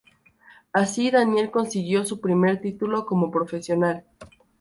Así, Daniel consiguió su primer título como profesional.